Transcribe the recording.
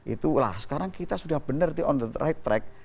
itu lah sekarang kita sudah benar itu on the right track